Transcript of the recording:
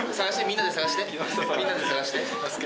探してみんなで探して。